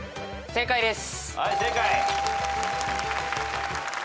正解です。